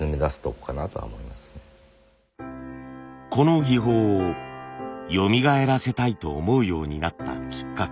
この技法をよみがえらせたいと思うようになったきっかけ。